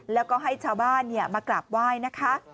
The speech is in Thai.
แล้วก็ให้ชาวบ้านมากราบไหว้นะคะ